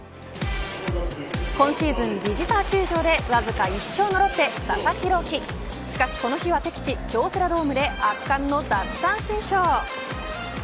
今シーズン、ビジター球場でわずか１勝のロッテ、佐々木朗希しかしこの日は敵地京セラドームで圧巻の奪三振ショー。